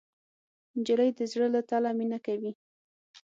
نجلۍ د زړه له تله مینه کوي.